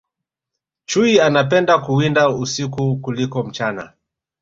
chui anapenda kuwinda usiku kuliko mchana